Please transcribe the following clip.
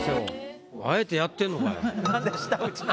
あえてやってんのか。